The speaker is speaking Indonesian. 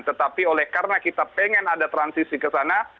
tetapi karena kita ingin ada transisi ke sana